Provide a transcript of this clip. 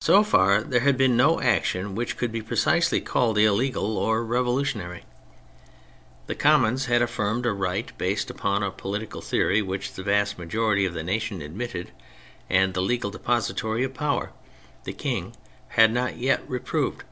So far there had been no action which could be precisely called illegal or revolu 88 THE FRENCH REVOLUTION tionary. The Commons had affirmed a right based upon a political theory which the vast majority of the nation admitted, and the legal depositary of power, the King, had not yet reproved.